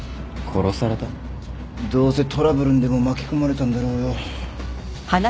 どうせトラブルにでも巻き込まれたんだろうよ